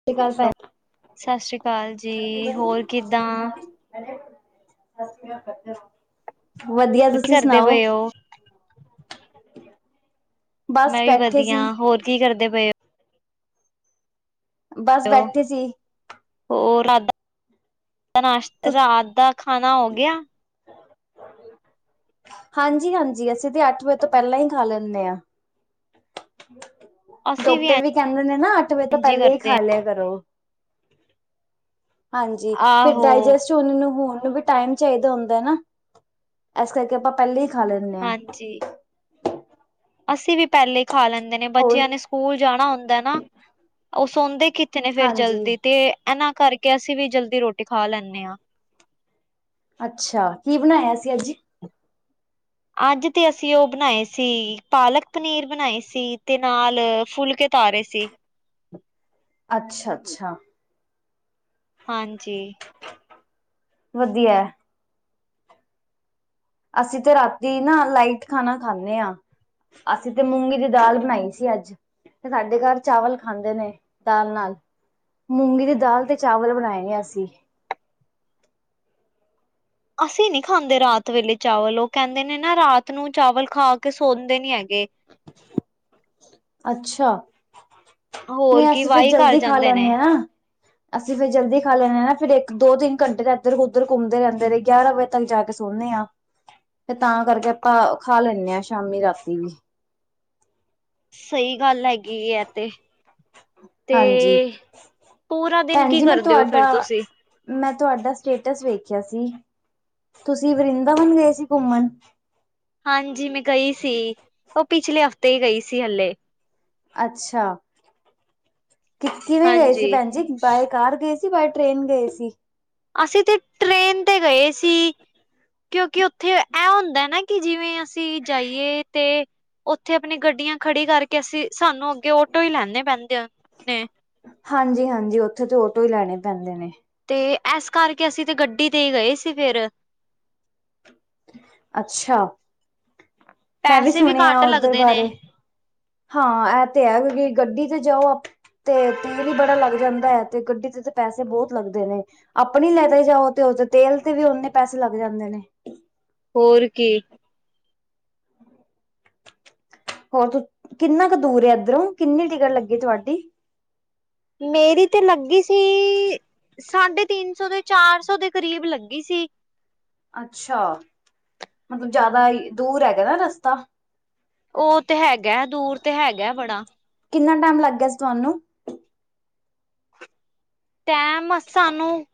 [unintelligible] ਸ਼ਸ਼ਰੀ ਕਾਲ ਜੀ। ਹੋਰ ਕਿਦਾਂ? ਵਧੀਆ। ਕੀ ਤੁਸੀਂ ਕਰਦੇ ਸੁਣਾਓ? ਪਏ ਹੋ? ਬਸ ਮੈਂ ਵੀ ਬੈਠੇ ਵਧੀਆ, ਸੀ। ਹੋਰ ਕੀ ਕਰਦੇ ਪਏ ਓ? ਬਸ ਹੋ? ਬੈਠੇ ਸੀ। ਹੋਰ ਰਾਤ, ਨਾਸ਼ਤਾ ਰਾਤ ਦਾ ਖਾਣਾ ਹੋ ਗਿਆ? ਹਾਂਜੀ- ਹਾਂਜੀ। ਅਸੀਂ ਤੇ ਅੱਠ ਵਜੇ ਤੋਂ ਪੈਲੇ ਹੀ ਖਾ ਲੈਣੇ ਆ। [unintelligible] ਡੋਕਟਰ ਵੀ ਕਹਿੰਦੇ ਨੇ ਨਾ, ਅੱਠ ਵਜੇ ਤੋਂ ਇੰਝ ਪਹਿਲੇ ਹੀ ਕਰਦੇ ਖਾ ਲਿਆ ਕਰੋ। ਹਾਂਜੀ, ਹਾਂ। ਫੇਰ ਆਹੋ, ਡਾਇਜੈਸਟ ਚੁਬੋਨ ਨੂੰ ਹੋਣ ਨੂੰ ਵੀ ਟਾਈਮ ਚਾਹੀਦਾ ਹੁੰਦਾ ਨਾ। ਐਸ ਕਰਕੇ ਆਪਾਂ ਪਹਿਲੇ ਹੀ ਖਾ ਲੈਣੇ ਆਂ। ਹਾਂਜੀ। ਅਸੀਂ ਵੀ ਪੈਲੇ ਹੀ ਖਾ ਲੈਂਦੇ ਨੇ। ਹੋਰ ਬੱਚਿਆਂ ਨੇ ਸਕੂਲ ਜਾਣਾ ਹੁੰਦਾ ਨਾ। ਉਹ ਸੌਂਦੇ ਕਿੱਥੇ ਨੇ ਫੇਰ ਹਾਂਜੀ ਜਲਦੀ ਤੇ, ਇਹਨਾਂ ਕਰਕੇ ਅਸੀਂ ਵੀ ਜਲਦੀ ਰੋਟੀ ਖਾ ਲੈਣੇ ਆਂ। ਅੱਛਾ, ਕੀ ਬਣਾਇਆ ਸੀ ਅੱਜ? ਅੱਜ ਤੇ ਅਸੀਂ ਓ ਬਣਾਏ ਸੀ, ਪਾਲਕ ਪਨੀਰ ਬਣਾਏ ਸੀ, ਤੇ ਨਾਲ, ਫੁਲਕੇ ਭਾਰੇ ਸੀ। ਅੱਛਾ- ਅੱਛਾ-ਅੱਛਾ ਹਾਂਜੀ ਵਧੀਆ ਅਸੀਂ ਤੇ ਰਾਤੀ ਨਾ ਲਾਈਟ ਖਾਣਾ ਖਾਣੇ ਆਂ। ਅਸੀ ਤੇ ਮੂੰਗੀ ਦੀ ਦਾਲ ਬਣਾਈ ਸੀ ਅੱਜ। ਤੇ ਸਾਡੇ ਘਰ ਚਾਵਲ ਖਾਂਦੇ ਨੇ, ਦਾਲ ਨਾਲ। ਮੂੰਗੀ ਦੀ ਦਾਲ ਤੇ ਚਾਵਲ ਬਣਾਏ ਅਸੀਂ। ਅਸੀਂ ਨੀ ਖਾਂਦੇ ਰਾਤ ਵੇਲੇ ਚਾਵਲ। ਉਹ ਕਹਿੰਦੇ ਨੇ ਨਾ ਰਾਤ ਨੂੰ ਚਾਵਲ ਖਾ ਕੇ ਸੌਂਦੇ ਨੀ ਹੈਗੇ। ਅੱਛਾ ਹੋਰ ਨਹੀਂ ਕੀ ਅਸੀਂ ਫੇਰ ਵਾਈ ਕਰ ਜਲਦੀ ਖਾ ਜਾਂਦੇ ਨੇ। ਲੈਣੇ ਆਂ। ਅਸੀਂ ਫਿਰ ਜਲਦੀ ਖਾ ਲੈਣੇ ਨਾ, ਫਿਰ ਇੱਕ ਦੋ-ਤਿੰਨ ਘੰਟੇ ਇਧਰ ਉਧਦੇ ਘੁੰਮਦੇ ਰਹਿੰਦੇ ਨੇ। ਗਿਆਰਾਂ ਵ ਤੱਕ ਜਾ ਕੇ ਸੋਣੇ ਆਂ, ਤੇ ਤਾਂ ਕਰਕੇ ਆਪਾਂ ਖਾ ਲੈਣੇ ਆਂ, ਸ਼ਾਮੀ ਰਾਤੀ ਵੀ। ਸਹੀ ਗੱਲ ਹੈਗੀ ਐ ਤੇ। ਹਾਂਜੀ ਤੇ, ਪੂਰਾ ਦਿਨ ਭੈਣ ਕੀ ਜੀ ਮੈਂ ਕਰਦੇ ਹੋ ਫੇਰ ਤੁਹਾਡਾ ਤੁਸੀ? ਮੈਂ ਤੁਹਾਡਾ ਸਟੇਟਸ ਵੇਖਿਆ ਸੀ। ਤੁਸੀਂ ਵਰਿੰਦਾਵਨ ਗਏ ਸੀ ਘੁੰਮਨ? ਹਾਂਜੀ ਮੈਂ ਗਈ ਸੀ। ਉਹ ਪਿਛਲੇ ਹਫਤੇ ਹੀ ਗਈ ਸੀ ਹਲੇ। ਅੱਛਾ ਕਿੱਥੇ ਵੀ ਗਏ ਸੀ ਹਾਂਜੀ ਭੈਣ ਜੀ। ਬਾਏ ਕਾਰ ਗਏ ਸੀ, ਬਾਏ ਟ੍ਰੇਨ ਗਏ ਸੀ? ਅਸੀਂ ਤੇ, ਟ੍ਰੇਨ ਤੇ ਗਏ ਸੀ। ਕਿਉ‌ਕਿ ਉੱਥੇ, ਆਹ ਹੁੰਦਾ ਨਾ ਕਿ ਜਿਵੇਂ ਅਸੀਂ ਜਾਈਏ ਤੇ ਉੱਥੇ ਆਪਣੀ ਗੱਡੀਆਂ ਖੜੀ ਕਰਕੇ ਅਸੀ, ਸਾਨੂੰ ਅੱਗੇ ਉਟੋ ਹੀ ਲੈਣੇ ਪੈਂਦੇ ਨੇ। ਹਾਂਜੀ ਹਾਂਜੀ। ਉੱਥੇ ਤੇ ਓਟੋ ਹੀ ਲੈਣੇ ਪੈਂਦੇ ਨੇ। ਤੇ ਐਸ ਕਰਕੇ ਅਸੀਂ ਤੇ ਗੱਡੀ ਤੇ ਹੀ ਗਏ ਸੀ ਫਿਰ। ਅੱਛਾ, ਮੈਂ ਵੀ ਪੈਸੇ ਸੁਣਿਆ ਘੱਟ ਉਧਰ ਲੱਗਦੇ ਨੇ। ਬਾਰੇ। ਹਾਂ ਐਹ ਤੇ ਹੈ, ਕਿਉਂਕਿ ਗੱਡੀ ਤੇ ਜਾਓ ਅਪ, ਤੇ ਤੇਲ ਹੀ ਬੜਾ ਲੱਗ ਜਾਂਦਾ ਐ ਤੇ ਗੱਡੀ ਤੇ ਪੈਸੇ ਬਹੁਤ ਲੱਗਦੇ ਨੇ। ਆਪਣੀ ਲੈਕੇ ਜਾਓ ਤੇ ਉਹਦੇ ਤੇਲ ਤੇ ਵੀ ਓਨੇ ਹੀ ਪੈਸੇ ਲੱਗ ਜਾਂਦੇ ਨੇ। ਹੋਰ ਕੀ। ਹੋਰ ਤੋ, ਕਿੰਨਾ ਕੁ ਦੂਰ ਇੱਧਰੋ, ਕਿੰਨੀ ਟਿਕਟ ਲੱਗੀ ਤੁਹਾਡੀ? ਮੇਰੀ ਤੇ ਲੱਗੀ ਸੀ, ਸਾਢੇ ਤਿੰਨ ਸੌ, ਚਾਰ ਸੌ ਦੇ ਕਰੀਬ ਲੱਗੀ ਸੀ। ਅੱਛਾ, ਮਤਲਬ ਜਾਦਾ ਹੀ ਦੂਰ ਹੈਗਾ ਨਾ ਰਸਤਾ। ਓ ਤੇ ਹੈਗਾ, ਦੂਰ ਤੇ ਹੈਗਾ ਬੜਾ ਕਿੰਨਾ ਟੈਮ ਲੱਗ ਗਿਆ ਸੀ, ਤੁਹਾਨੂੰ ਟੈਮ ਸਾਨੂੰ,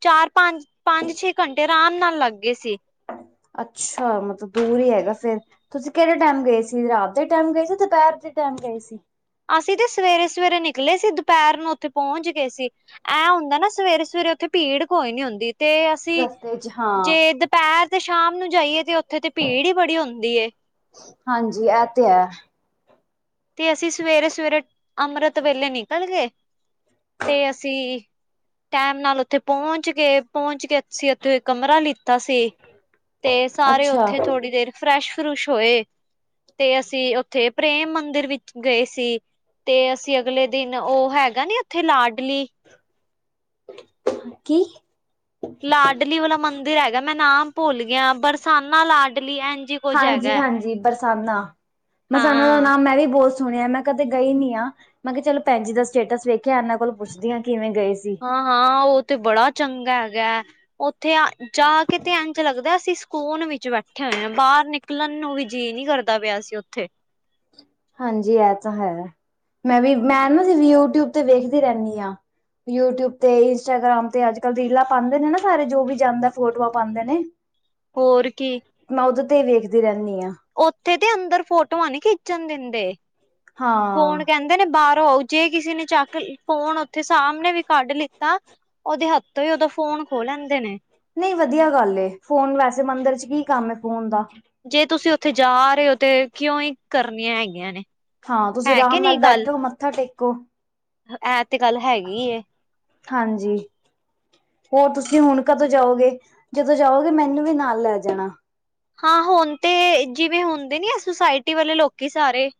ਚਾਰ-ਪੰਜ, ਪੰਜ-ਛੇ ਘੰਟੇ ਆਰਾਮ ਨਾਲ ਲੱਗ ਗੇ ਸੀ। ਅੱਛਾ ਮਤਲਬ ਦੂਰ ਈ ਹੈਗਾ ਫੇਰ ਤੁਸੀਂ ਕੇੜੇ ਟੈਮ ਗਏ ਸੀ, ਰਾਤ ਦੇ ਟੈਮ ਗਏ ਸੀ, ਦੁਪੈਰ ਦੇ ਟੈਮ ਗਏ ਸੀ? ਅਸੀਂ ਤੇ ਸਵੇਰੇ-ਸਵੇਰੇ ਨਿਕਲੇ ਸੀ, ਦੁਪੈਰ ਨੂੰ ਤੇ ਪੌਚ ਗਏ ਸੀ। ਐਂ ਹੁੰਦਾ ਨਾ ਸਵੇਰੇ-ਸਵੇਰੇ ਓਥੇ ਭੀੜ ਕੋਈ ਨੀ ਹੁੰਦੀ ਤੇ ਅਸ ਤੀ, ਰਸਤੇ ਚ ਹਾਂ ਜੇ ਦੁਪੈਰ ਤੇ ਸ਼ਾਮ ਨੂੰ ਜਾਈਏ ਤੇ ਓਥੇ ਤੇ ਭੀੜ ਈ ਵੜੀ ਹੁੰਦੀ ਏ। ਹਾਂਜੀ ਏ ਤੇ ਐ। ਤੇ ਅਸੀਂ ਸਵੇਰੇ-ਸਵੇਰੇ, ਅੰਮ੍ਰਤ ਵੇਲੇ ਨਿਕਲ ਗਏ, ਤੇ ਅਸੀਂ ਟੈਮ ਨਾਲ ਪਹੁੰਚ ਗੇ ਪਹੁੰਚ ਕੇ ਅਸੀਂ ਓਥੇ ਕਮਰਾ ਲੀਤਾ ਸੀ। ਤੇ ਸਾਰੇ ਅੱਛਾ ਓਥੇ ਥੋੜੀ ਦੇਰ ਫਰੈਸ਼-ਫਰੁਸ਼ ਹੋਏ ਤੇ ਅਸੀਂ ਓਥੇ ਪ੍ਰੇਮ ਮੰ ਦਰ ਵਿਚ ਗਏ ਸੀ, ਤੇ ਅਸੀਂ ਅਗਲੇ ਦਿਨ ਓ ਹੈਗਾ ਨੀ ਓਥੇ ਲਾਡਲੀ ਕੀ? ਲਾਡਲੀ ਵਾਲਾ ਮੰਦਿਰ ਹੈਗਾ ਮੈਂ ਨਾਮ ਭੁੱਲ ਗੀਆ ਬਰਸਾਨਾ ਲਾਡਲੀ ਐ ਜ ਹਾਂਜੀ-ਹਾਂਜੀ ਬਰਸਾਨਾ, ਹਾਂ ਬਰਸਾਨਾ ਦਾ ਨਾਮ ਹਾਂ ਮੈਂ ਵੀ ਬੌ ਸ ਸੁਣੇਆ, ਮੈਂ ਕਦੇ ਗਈ ਨੀ ਆ, ਮੈਂ ਕੇਆ ਚਲੋ ਭੈਜੀ ਦਾ ਸਟੇਟਸ ਵੇਖੇਆ, ਐਨਾਂ ਕੋਲ ਪੁੱਛਦੀ ਆਂ ਕਿਵੇਂ ਗਏ ਸੀ। ਹਾਂ-ਹਾਂ ਓ ਤੇ ਬੜਾ ਚੰਗਾ ਹੈਗੈ, ਓਥੇ ਅ ਜਾ ਕੇ ਐਂਝ ਲੱਗਦਾ ਐ ਅਸੀ ਕੋਨ ਵਿਚ ਬੈਠੇ ਹੋਏ, ਆ ਬਾਰ ਨਿਕਲਣ ਨੂੰ ਵੀ ਜੀਅ ਨੀ ਕਰਦਾ ਪੇਆ ਸੀ ਓਥੇ। ਹਾਂਜੀ ਐ ਤੇ ਹੈ, ਮੈਂ ਵੀ ਮੈਂ ਨਾ ਯੂਟਿਊਬ ਤੇ ਵੇਖਦੀ ਰੈਂਨੀ ਆਂ। ਯੂਟਿਊਬ ਤੇ ਇੰਸਟਾਗ੍ਰਾਮ ਤੇ ਅੱਜ-ਕੱਲ ਰੀਲਾਂ ਪਾਂਦੇ ਨੇ, ਨਾ ਸਾਰੇ ਜੋ ਵੀ ਜਾਂਦਾ ਫੋਟੋਆਂ ਪਾਂਦੇ ਨੇ। ਹੋਰ ਕੀ। ਮੈਂ ਓਦੇ ਤੇ ਈ ਵੇਖਦੀ ਰੈਂਨੀ ਆ। ਓਥੇ ਤੇ ਅੰਦਰ ਫੋਟੋਆਂ ਨੀ ਖਿੱਚਣ ਦਿੰਦੇ, ਹਾਂ ਫੋਨ ਕੈਂ ਦੇ ਨੇ ਬਾਰੋਂ ਜੇ ਕਿਸੇ ਨੇ ਚੱਕ, ਫੋਨ ਓਥੇ ਸਾਮਨੇ ਵੀ ਕੱਢ ਲਿਤਾ ਓਦੇ ਹੱਥੋਂ ਈ ਓਦਾ ਫੋਨ ਖੋ ਲੈਂਦੇ ਨੇ। ਨਈ ਵਦੀਆ ਆ ਗੱਲ ਏ, ਫੋਨ ਵੈਸੇ ਮੰਦਰ ਚ ਕੀ ਕੰਮ ਏ ਫੋਨ ਦਾ। ਜੇ ਤੁਸੀਂ ਓਥੇ ਜਾ ਰਏ ਹੋ ਤੇ ਕੇਉਈ ਕਰਨੀਆਂ ਹੈਗੀਆਂ ਨੇ। ਹਾਂ ਤੁਸੀਂ ਹੈ ਕਿ ਰਾਮ ਨਾਲ ਬੈਠੋ ਮੱਥਾ ਟੇਕੋ। [unintelligible] ਐ ਤੇ ਗੱਲ ਹੈਗੀ ਏ। ਹਾਂਜੀ। ਹੋਰ ਤੁਸੀਂ ਹੁਣ ਕਦੋਂ ਜਾਓਗੇ, ਜਦੋਂ ਜਾਓਗੇ ਮੈਨੂੰ ਵੀ ਨਾਲ ਲੈ ਜਾਨਾ। ਹਾਂ ਹੁਣ ਤੇ, ਜਿਵੇਂ ਹੁੰਦੇ ਨੀ ਆ ਸੁਸਾਇਟੀ ਵਾਲੇ ਲੋਕੀ ਸਾਰੇ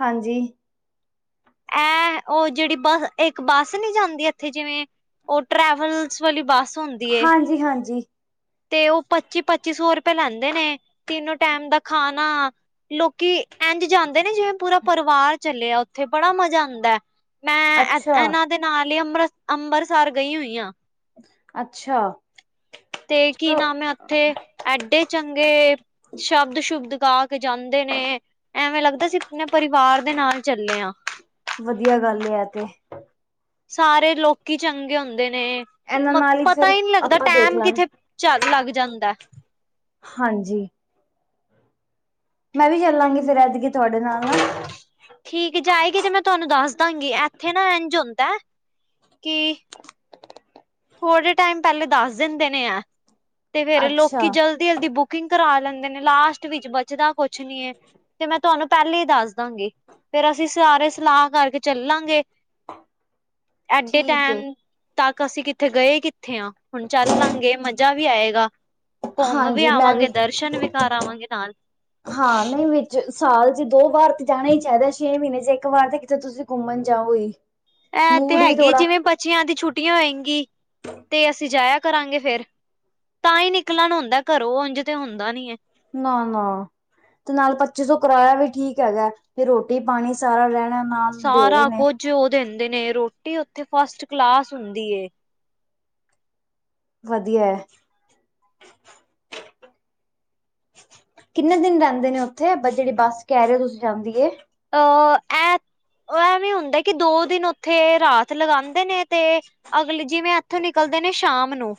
ਹਾਂਜੀ। ਏ, ਓ ਜੇੜੀ ਬਾ, ਇਕ ਬੱਸ ਨੀ ਜਾਂਦੀ ਐਥੇ ਜਿਵੇਂ ਓ ਟਰੈਵਲਸ ਵਾਲੀ ਬੱਸ ਹੁੰਦੀ ਏ। ਹਾਂਜੀ-ਹਾਂਜੀ। ਤੇ ਓ ਪੱਚੀ-ਪੱਚੀ ਸੋ ਰੁਪਏ ਲੈਂਦੇ ਨੇ, ਤਿੰਨੋ ਟੈਮ ਦਾ ਖਾਨਾ ਲੋਕੀ, ਐਂਝ ਜਾਂਦੇ ਨੇ ਜਿਵੇਂ ਪੂਰਾ ਪਰਿਵਾਰ ਚੱਲੇਆ ਓਥੇ ਬੜਾ ਮਜ਼ਾ ਆਂਦੈ। ਮੈਂ ਐ ਅੱਛਾ ਐਨਾਂ ਦੇ ਨਾਲ ਈ ਅੰਮ੍ਰ ਅੰਮਰਸਰ ਗਈ ਹੋਈ ਆਂ। ਅੱਛਾ। ਤੇ ਕੀ ਚਲੋ ਨਾਮ ਐ ਓਥੇ ਐਡੇ ਚੰਗੇ ਸ਼ਬਦ-ਸ਼ੁਬਦ ਗਾ ਕੇ ਜਾਂਦੇ ਨੇ ਐਵੇਂ ਲੱਗਦਾ ਸੀ, ਆਪਣੇ ਪਰਿਵਾਰ ਦੇ ਨਾਲ ਚੱਲੇ ਆ। ਵਦੀਆ ਗੱਲ ਐ ਤੇ। ਸਾਰੇ ਲੋਕੀ ਚੰਗੇ ਹੁੰਦੇ ਨੇ, ਇਹਨਾਂ ਮ ਨਾਲ ਹੀ ਪਤਾ ਫਿਰ ਈ ਨੀ ਲੱਗਦਾ ਆਪਾਂ ਦੇਖ ਟੈਮ ਲਾਂਗੇ ਕਿਥੇ ਝਾ ਲੱਗ ਜਾਂਦੈ। ਹਾਂਜੀ। ਮੈਂ ਵੀ ਚੱਲਾਂਗੀ। ਫੇਰ ਐਤਕੀਂ ਤੁਹਾਡੇ ਨਾਲ। ਠੀਕ ਜਾਏਗੀ ਤੇ ਮੈਂ ਤੁਹਾਨੂੰ ਦੱਸ ਦਾਂਗੀ। ਇੱਥੇ ਨਾ ਇੰਝ ਹੁੰਦਾ ਐ ਕਿ ਥੋੜੇ ਟਾਈਮ ਪਹਿਲੇ ਦੱਸ ਦਿੰਦੇ ਨੇ ਐਹ ਤੇ ਫੇਰ ਅੱਛਾ ਲੋਕੀ ਜਲ ਜਲਦੀ-ਜਲਦੀ ਬੁਕਿੰਗ ਕਰਾ ਲੈਂਦੇ ਨੇ। ਲਾਸਟ ਵਿੱਚ ਬੱਚਦਾ ਕੁੱਛ ਨੀ ਐ। ਤੇ ਮੈਂ ਤੁਹਾਨੂੰ ਪਹਿਲੇ ਈ ਦੱਸ ਦਾਂਗੀ। ਫੇਰ ਅਸੀਂ ਸਾਰੇ ਸਲਾਹ ਕਰਕੇ ਚੱਲਾਂਗੇ। [inaudible] ਐਡੇ ਠੀਕ ਏ ਟੈਂਮ ਤੱਕ ਅਸੀਂ ਕਿੱਥੇ ਗਏ ਈ ਕਿੱਥੇ ਆ। ਹੁਣ ਚੱਲਾਂਗੇ ਮ- ਜ਼ਾ ਵੀ ਆਏਗਾ। ਘੁੰਮ ਵੀ ਹਾਂਜੀ ਮੈਂ ਆਵਾਂਗੇ। ਦਰਸ਼ਨ ਵੀ ਕਰ ਆਵਾਂਗੇ ਨਾਲ। ਹਾਂ, ਨਹੀਂ ਵਿੱਚ, ਸਾਲ 'ਚ ਦੋ ਵਾਰ ਤੇ ਜਾਣਾ ਈ ਚਾਹੀਦਾ। ਛੇ ਮਹੀਨੇ 'ਚ ਇੱਕ ਵਾਰ ਤੇ ਕਿਤੇ ਤੁਸੀਂ ਘੁੰਮਣ ਜਾਓ ਈ। ਇਹ ਤੇ ਹੈਗੇ। ਜਿਵੇਂ ਬੱਚੀਆਂ ਦੀ ਛੁੱਟੀਆਂ ਹੋਏ ਗੀਂ ਤੇ ਅਸੀਂ ਜਾਇਆ ਕਰਾਂਗੇ ਫਿਰ। ਤਾਂ ਈ ਨਿਕਲਣ ਹੁੰਦਾ ਘਰੋਂ। ਉਂਝ ਤੇ ਹੁੰਦਾ ਨੀ ਐ। ਨਾ-ਨਾ ਤੇ ਨਾਲ ਪੱਚੀ ਸੌ ਕਰਾਇਆ ਵੀ ਠੀਕ ਹੈਗਾ। ਫਿਰ ਰੋਟ ਰੋਟੀ-ਪਾਣੀ ਸਾਰਾ ਰਹਿਣ ਨਾਲ ਦੇ ਰਹੇ ਸਾਰਾ ਨੇ। ਕੁੱਝ ਉਹ ਦਿੰਦੇ ਨੇ ਰੋਟੀ, ਉੱਥੇ ਫਸਟ-ਕਲਾਸ ਹੁੰਦੀ ਏ। ਵਧੀਆ ਐ। ਕਿੰਨੇ ਦਿਨ ਰਹਿੰਦੇ ਨੇ ਉੱਥੇ। ਬ ਜਿਹੜੀ ਬੱਸ ਕਹਿ ਰਹੇ ਹੋ ਤੁਸੀਂ ਜਾਂਦੀ ਏ। ਉਹ ਐ, ਉਹ ਐ ਵੀ ਹੁੰਦਾ ਕਿ ਦੋ ਦਿਨ ਉੱਥੇ ਰਾਤ ਲਗਾਉਂਦੇ ਨੇ ਤੇ ਅਗਲੇ, ਜਿਵੇਂ ਏਥੋਂ ਨਿਕਲਦੇ ਨੇ ਸ਼ਾਮ ਨੂੰ।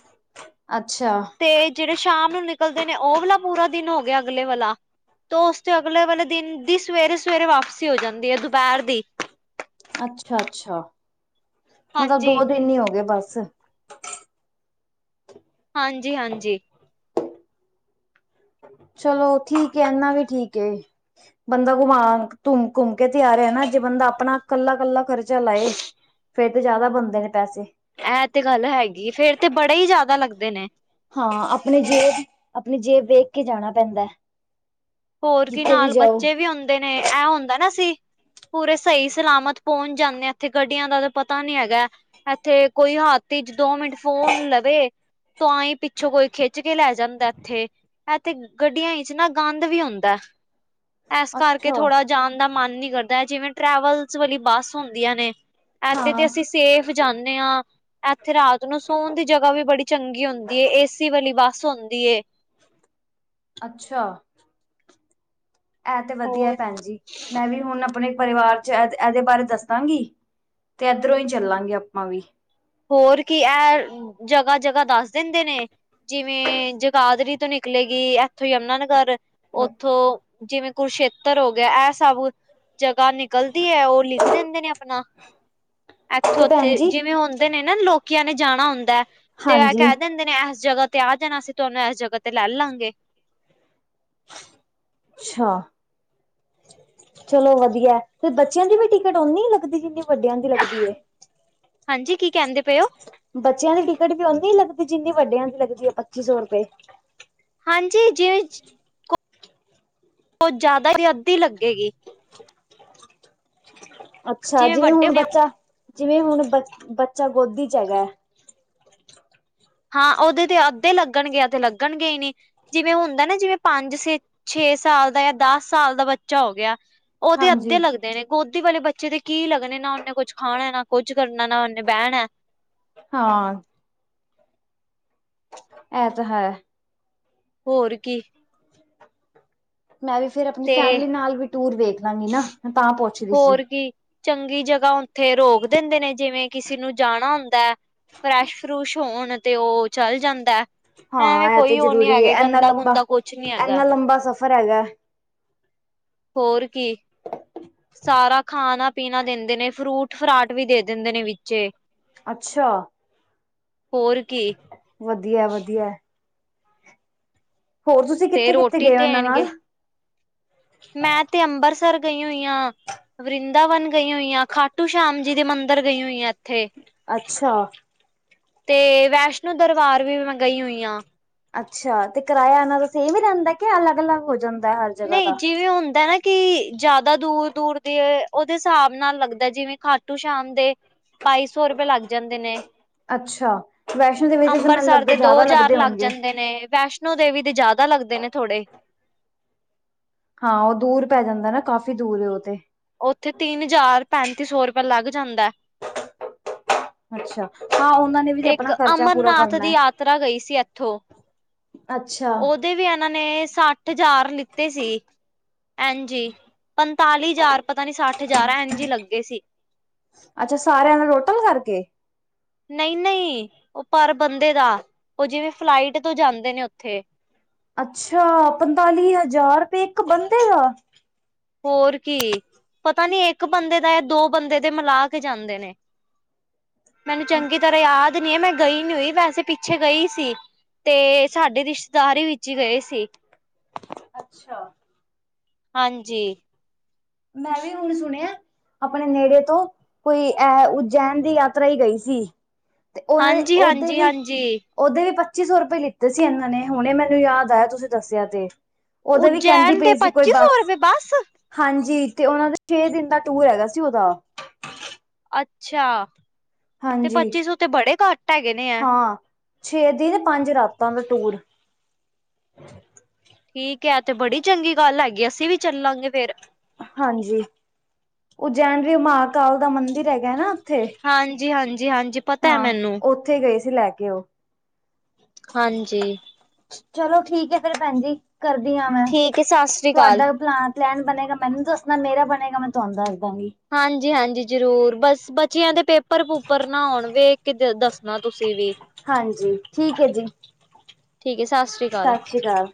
ਅੱਛਾ। ਤੇ ਜਿਹੜੇ ਸ਼ਾਮ ਨੂੰ ਨਿਕਲਦੇ ਨੇ। ਉਹ ਵਾਲਾ ਪੂਰਾ ਦਿਨ ਹੋ ਗਿਆ। ਅਗਲੇ ਵਾਲਾ ਤੋਂ ਉਸਤੋਂ ਅਗਲੇ ਵਾਲੇ ਦਿਨ ਦੀ, ਸਵੇਰੇ-ਸਵੇਰੇ ਵਾਪਸੀ ਹੋ ਜਾਂਦੀ ਐ, ਦੁਪਹਿਰ ਦੀ। ਅੱਛਾ-ਅੱਛਾ। ਮਤਲਬ ਹਾਂਜੀ ਦੋ ਦਿਨ ਈ ਹੋਗੇ ਬਸ। ਹਾਂਜੀ-ਹਾਂਜੀ। ਚੱਲੋ ਠੀਕ ਐ। ਇਨਾਂ ਵੀ ਠੀਕ ਏ। ਬੰਦਾ ਘੁਮਾ, ਘੁੰਮ-ਘੁੰਮ ਕੇ ਤੇ ਆ ਰਿਹਾ ਏ ਨਾ। ਜੇ ਬੰਦਾ ਆਪਣਾ ਕੱਲਾ-ਕੱਲਾ ਕਰ ਚੱਲਾ ਏ, ਫੇਰ ਤੇ ਜ਼ਿਆਦਾ ਬਣਦੇ ਨੇ ਪੈਸੇ। ਐਹ ਤੇ ਗੱਲ ਹੈਗੀ। ਫੇਰ ਤੇ ਬੜੇ ਈ ਜ਼ਿਆਦਾ ਲੱਗਦੇ ਨੇ। ਹਾਂ, ਆਪਣੀ ਜੇਬ, ਆਪਣੀ ਜੇਬ ਵੇਖ ਕੇ ਜਾਣਾ ਪੈਂਦਾ। ਹੋਰ ਕੀ ਜਿੱਥੇ ਵੀ ਨਾਲ ਜਾਓ। ਬੱਚੇ ਵੀ ਹੁੰਦੇ ਨੇ। ਐ ਹੁੰਦਾ ਨਾ ਅਸੀਂ ਪੂਰੇ ਸਹੀ ਸਲਾਮਤ ਪਹੁੰਚ ਜਾਂਨੇ ਆ। ਉੱਥੇ ਗੱਡੀਆਂ ਦਾ ਤਾਂ ਪਤਾ ਨੀ ਹੈਗਾ। ਇੱਥੇ ਕੋਈ ਹੱਥ ਇੱਚ ਦੋ ਮਿੰਟ ਫ਼ੋਨ ਲਵੇ ਤੋਂ ਆਂਈ ਪਿੱਛੋਂ ਕੋਈ ਖਿੱਚ ਕੇ ਲੈ ਜਾਂਦਾ ਇੱਥੇ। ਇੱਥੇ ਗੱਡੀਆਂ 'ਚ ਨਾ ਗੰਦ ਦ ਵੀ ਹੁੰਦਾ। ਐਸ ਕਰਕੇ ਅੱਛਾ ਥੋੜ੍ਹਾ ਜਾਣ ਦਾ ਮਨ ਨੀਂ ਕਰਦਾ। ਐ ਜਿਵੇਂ ਟਰੈਵਲਸ ਵਾਲੀ ਬੱਸ ਹੁੰਦੀਆਂ ਨੇ ਐਤੇ ਤੇ ਹਾਂ ਅਸੀਂ ਸੇਫ ਜਾਂਣੇ ਆ। ਇੱਥੇ ਰਾਤ ਨੂੰ ਸੋਣ ਦੀ ਜੱਗ੍ਹਾ ਵੀ ਬੜੀ ਚੰਗੀ ਹੁੰਦੀ ਏ। ਏਸੀ ਵਾਲੀ ਬੱਸ ਹੁੰਦੀ ਏ। ਅੱਛਾ। ਐ ਤੇ ਵਧੀਐ ਭੈਣ ਜੀ। ਮੈਂ ਵੀ ਹੁਣ ਆਪਣੇ ਪਰਿਵਾਰ 'ਚ ਐਦੇ-ਐਦੇ ਬਾਰੇ ਦੱਸਾਂਗੀ ਤੇ ਐਧਰੋਂ ਈ ਚੱਲਾਂਗੇ ਆਪਾਂ ਵੀ। ਹੋਰ ਕੀ ਐ, ਜਗ੍ਹਾ-ਜਗ੍ਹਾ ਦੱਸ ਦਿੰਦੇ ਨੇ ਜਿਵੇਂ ਜਗਾਧਰੀ ਤੋਂ ਨਿਕਲੇਗੀ। ਇਥੋਂ ਯਮੁਨਾ ਨਗਰ, ਉਥੋਂ ਜਿਵੇਂ ਕੁਰਸ਼ੇਤਰ ਹੋ ਗਿਆ। ਐ ਸਭ ਜਗ੍ਹਾ ਨਿਕਲਦੀ ਐ, ਉਹ ਲਿਖ ਦਿੰਦੇ ਨੇ ਅਪਨਾ। ਤੇ ਐਥੋਂ-ਓਥੇ ਭੈਣ ਜੀ ਜਿਵੇਂ ਹੁੰਦੇ ਨੇ ਨਾ ਲੋਕੀਆਂ ਨੇ ਜਾਣਾ ਹੁੰਦਾ ਤੇ ਐ ਹਾਂਜੀ ਕੈ ਦਿੰਦੇ ਨੇ ਐਸ ਜਗ੍ਹਾ ਤੇ ਆ ਜਾਣਾ ਅਸੀਂ ਤੁਆਨੂੰ ਐਸ ਜਗ੍ਹਾ ਤੇ ਲੈ ਲਾਂਗੇ। ਅੱਛਾ। ਚੱਲੋ ਵਧੀਆ ਐ ਤੇ ਬੱਚਿਆਂ ਦੀ ਵੀ ਟਿਕਟ ਓਨੀ ਲੱਗਦੀ ਜਿੰਨੀ ਵੱਡਿਆਂ ਦੀ ਲੱਗਦੀ ਏ। ਹਾਂਜੀ, ਕੀ ਕੈੰਦੇ ਪਏ ਓ? ਬੱਚਿਆਂ ਦੀ ਟਿਕਟ ਵੀ ਓਨੀ ਲੱਗਦੀ, ਜਿੰਨੀ ਵੱਡਿਆਂ ਦੀ ਲੱਗਦੀ ਏ ਪੱਚੀ ਸੌ ਰਪੇ ਹਾਂਜੀ, ਜਿਵੇਂ ਚ ਓ ਜ਼ਿਆਦਾ ਦੀ, ਅੱਧੀ ਲੱਗਦੀ ਹੈਗੀ। ਅੱਛਾ ਜਿਵੇਂ ਵੱਡੇ ਹੁਣ ਨੇ ਬੱਚਾ, ਜਿਵੇਂ ਹੁਣ ਬ ਬੱਚਾ ਗੋਦੀ ਚ ਹੈਗਾ ਹਾਂ, ਓਦੇ ਤੇ ਅੱਧੇ ਲੱਗਣਗੇ ਯਾ ਤੇ ਲੱਗਣਗੇ ਈ ਨੀ। ਜਿਵੇਂ ਹੁੰਦਾ ਨਾ, ਜਿਵੇਂ ਪੰਜ ਸੇ ਛੇ ਸਾਲ ਦਾ ਯਾ ਦੱਸ ਸਾਲ ਦਾ ਬੱਚਾ ਹੋ ਗਯਾ ਓਦੇ ਅੱਧੇ ਹਾਂਜੀ ਲੱਗਦੇ ਨੇ। ਗੋਦੀ ਵਾਲੇ ਬੱਚੇ ਤੇ ਕੀ ਲੱਗਣੇ, ਨਾ ਓਨੇ ਕੁਛ ਖਾਣਾ, ਨਾ ਕੁੱਝ ਕਰਨਾ, ਨਾ ਓਨੇ ਬੈਣਾ। ਹਾਂ। ਐ ਤਾਂ ਹੈ। ਹੋਰ ਕੀ। ਮੈਂ ਵੀ ਫੇਰ ਅਪਣੀ ਤੇ ਫੈਮਿਲੀ ਨਾਲ ਵੀ ਟੂਰ ਵੇਖ ਲਾਂਗੀ ਨਾ ਮੈਂ ਤਾਂ ਪੁੱਛ ਰੀ ਸੀ। ਹੋਰ ਕੀ ਚੰਗੀ ਜਗ੍ਹਾ ਓਥੇ ਰੋਕ ਦਿੰਦੇ ਨੇ, ਜਿਵੇਂ ਕਿਸੇ ਨੂੰ ਜਾਣਾ ਹੁੰਦਾ। ਫਰੈਸ਼-ਫਰੂਸ਼ ਹੋਣ ਤੇ ਓ ਚਲ ਜਾਂਦਾ। ਐਵੇਂ ਹਾਂ, ਐ ਤੇ ਕੋਈ ਉਹ ਨੀ ਜ਼ਰੂਰੀ ਏ ਹੈਗੇ ਐਨਾ ਗੰਦਾ ਗੁੰਦਾ ਕੁਛ ਨੀ ਹੈਗਾ ਲੰਬਾ-ਐਨਾ ਲੰਬਾ ਸਫ਼ਰ ਹੈਗਾ। ਹੋਰ ਕੀ, ਸਾਰਾ ਖਾਣਾ ਪੀਣਾ ਦਿੰਦੇ ਨੇ, ਫਰੂਟ-ਫਰਾਟ ਵੀ ਦੇ ਦਿੰਦੇ ਨੇ ਵਿੱਚੇ। ਅੱਛਾ। ਹੋਰ ਕੀ। ਵਧੀਆ-ਵਧੀਆ ਐ। ਹੋਰ ਤੁਸੀਂ ਤੇ ਕਿੱਥੇ-ਕਿੱਥੇ ਰੋਟੀ ਗਏ ਓ ਓਨਾਂ ਦੇਣਗੇ ਨਾਲ? ਮੈਂ ਤੇ ਅੰਬਰਸਰ ਗਈ ਹੋਈ ਆਂ ਵਰਿੰਦਾਵਨ ਗਈ ਹੋਈ ਆਂ ਖਾ ਟੂ ਸ਼ਾਮ ਜੀ ਦੇ ਮੰਦਰ ਗਈ ਹੋਈ ਆਂ ਐੱਥੇ। ਅੱਛਾ ਤੇ ਵੈਸ਼ਨੋ ਦਰਬਾਰ ਵੀ ਮੈਂ ਗਈ ਹੋਈ ਆਂ। ਅੱਛਾ, ਤੇ ਕਰਾਇਆ ਐਨਾਂ ਦਾ ਸੇਮ ਈ ਰੈੰਦਾ ਕੇ ਅਲੱਗ-ਅਲੱਗ ਹੋ ਜਾਂਦਾ। ਹਰ ਜਗ੍ਹਾ ਨਈ ਦਾ ਜਿਵੇਂ ਹੁੰਦਾ ਨਾ ਕੀ ਜਾਦਾ ਦੂਰ-ਦੂਰ ਦੇ, ਓਦੇ ਸਾਬ ਨਾਲ ਲੱਗਦਾ ਜਿਵੇਂ ਖਾਟੂ ਸ਼ਾਮ ਦੇ ਬਾਈ ਸੌ ਰਪੇ ਲੱਗ ਜਾਂਦੇ ਨੇ। ਅੱਛਾ ਵੈਸ਼ਨੋ ਦੇ ਵਿੱਚ ਤਾਂ ਮੈਨੂੰ ਅੰਮਬਸਰ ਲੱਗਦਾ ਦੇ ਦੋ ਜ਼ਿਆਦਾ ਹਜ਼ਾਰ ਲੱਗਦੇ ਲੱਗ ਹੋਣਗੇ ਜਾਂਦੇ ਨੇ, ਵੈਸ਼ ਵੈਸ਼ਨੋ ਦੇਵੀ ਦੇ ਜਾਦਾ ਲਗਦੇ ਨੇ ਥੋੜੇ ਹਾਂ, ਓ ਦੂਰ ਪੈ ਜਾਂਦਾ ਨਾ ਕਾਫ਼ੀ ਦੂਰ ਓ ਤੇ ਓਥੇ ਤਿੰਨ ਜ਼ਾਰ, ਪੈਂਤੀ ਸੌ ਰਪੇ ਲੱਗ ਜਾਂਦਾ। ਅੱਛਾ, ਹਾਂ ਓਨਾਂ ਨੇ ਵੀ ਤੇ ਇੱਕ ਆਪਣਾ ਖਰਚਾ ਪੂਰਾ ਅਮਰਨਾਥ ਕਰਨਾ ਦੀ ਹੈ। ਯਾਤਰਾ ਗਈ ਸੀ ਐਥੋਂ, ਅੱਛਾ ਓ ਦੇ ਵੀ ਐਨਾਂ ਨੇ ਸੱਠ ਸੱਠ ਜ਼ਾਰ ਲਿੱਤੇ ਸੀ ਐੰਝ ਈ ਪੰਤਾਲੀ ਜ਼ਾਰ ਪਤਾ ਨੀ, ਸੱਠ ਠ ਜ਼ਾਰ ਐੰਝ ਈ ਲੱਗੇ ਸੀ। ਅੱਛਾ, ਸਾਰੇਆਂ ਨੂੰ ਰੋਟਲ ਕਾਰਕੇ। ਨਈ-ਨਈ, ਓ ਪਰ ਬੰਦੇ ਦਾ ਓ ਜਿਵੇਂ ਫਲਾਈਟ ਤੋਂ ਜਾਂਦੇ ਨੇ ਓਥੇ। ਅੱਛਾ! ਪੰਤਾਲੀ ਹਜ਼ਾਰ ਰਪੇ ਇੱਕ ਬੰਦੇ ਦਾ। ਹੋਰ ਕੀ ਪਤਾ ਨੀ ਇੱਕ ਬੰਦੇ ਦਾ ਜਾਂ ਦੋ ਬੰਦੇ ਦੇ ਮਿਲਾ ਕੇ ਜਾਂਦੇ ਨੇ। ਮੈਨੂੰ ਚੰਗੀ ਤਰ੍ਹਾਂ ਯਾਦ ਨੀ ਐ, ਮੈਂ ਗਈ ਨੀ ਹੋਈ ਵੈਸੇ ਪਿੱਛੇ ਗਈ ਸੀ। ਤੇ, ਸਾਡੇ ਰਿਸ਼ਤੇਦਾਰ ਹੀ ਵਿੱਚ ਹੀ ਗਏ ਸੀ। ਅੱਛਾ। ਹਾਂਜੀ। ਮੈਂ ਵੀ ਹੁਣ ਸੁਣਿਆ ਆਪਣੇ ਨੇੜੇ ਤੋਂ ਕੋਈ ਅਐ ਉਜੈਨ ਦੀ ਯਾਤਰਾ ਈ ਗਈ ਸੀ। ਤੇ ਉਹਨਾਂ ਦੇ ਹਾਂਜੀ ਓਦੇ ਹਾਂਜੀ ਵੀ ਹਾਂਜੀ ਉਹਦੇ ਵੀ ਪੱਚੀ ਸੌ ਰੁਪਏ ਲਿੱਤੇ ਸੀ ਇਹਨਾਂ ਨੇ ਹੁਣੇ ਮੈਨੂੰ ਯਾਦ ਆਇਆ ਤੁਸੀਂ ਦੱਸਿਆ ਤੇ। ਉਦੋਂ ਵੀ ਕਹਿੰਦੀ ਉਜੈਨ ਦੇ ਪਈ ਸੀ ਕੋਈ ਪੱਚੀ ਸੌ ਬਾਸ ਰੁਪਏ ਬਸ ਹਾਂਜੀ ਤੇ ਉਹਨਾਂ ਦਾ ਛੇ ਦਿਨ ਦਾ ਟੂਰ ਹੈਗਾ ਸੀ ਉਹਦਾ ਅੱਛਾ, ਤੇ ਹਾਂਜੀ ਪੱਚੀ ਸੌ ਤੇ ਬੜੇ ਘੱਟ ਹੈਗੇ ਨੇ ਐ। ਹਾਂ ਛੇ ਦੀਨ ਪੰਜ ਰਾਤਾਂ ਦਾ ਟੂਰ। ਠੀਕ ਹੈ ਏਹ ਤੇ ਬੜੀ ਚੰਗੀ ਗੱਲ ਹੈਗੀ ਅਸੀਂ ਵੀ ਚੱਲਾਂਗੇ ਫੇਰ। ਹਾਂਜੀ, ਉਜੈਨ ਵੀ ਮਹਾਾਂਕਾਲ ਦਾ ਮੰਦਿਰ ਹੈਗਾ ਨਾ। ਉੱਥੇ ਹਾਂਜੀ-ਹਾਂਜੀ-ਹਾਂਜੀ ਪਤਾ ਹੈ ਹਾਂ ਮੈਨੂੰ। ਉੱਥੇ ਗਏ ਸੀ ਲੈ ਕੇ ਉਹ ਹਾਂਜੀ ਚਲੋ ਠੀਕ ਹੈ ਫੇਰ ਭੈਣ ਜੀ, ਕਰਦੀ ਹਾਂ ਮੈਂ, ਠੀਕ ਹੈ ਸਤਿ ਸ੍ਰੀ ਅਕਾਲ ਤੁਹਾਡਾ ਪਲੈਨ ਪਲੈਨ ਬਣੇਗਾ ਮੈਨੂੰ ਦੱਸਣਾ ਮੇਰਾ ਮੈਂ ਤੁਹਾਨੂੰ ਦੱਸਦਾ ਗੀ। ਹਾਂਜੀ- ਹਾਂਜੀ ਜ਼ਰੂਰ ਬਸ ਬੱਚਿਆਂ ਦੇ ਪੇਪਰ ਪੂਪਰ ਨਾ ਹੋਣ ਵੇਖ ਕੇ ਦੱਸਣਾ ਤੁਸੀਂ ਵੀ। ਹਾਂਜੀ ਠੀਕ ਏ ਜੀ ਠੀਕ ਹੈ ਸਤਿ ਸ਼੍ਰੀ ਅਕਾਲ। ਸਤਿ ਸ਼੍ਰੀ ਅਕਾਲ